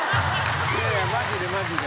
いやいやマジでマジで。